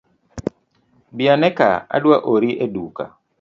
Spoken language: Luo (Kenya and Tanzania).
Biane ka adua ori eduka.